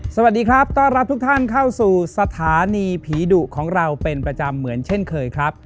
สวัสดีครับต้อนรับทุกท่านเข้าสู่สถานีผีดุของเราเป็นประจำเหมือนเช่นเคยครับ